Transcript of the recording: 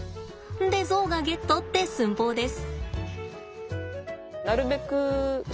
でゾウがゲットって寸法です。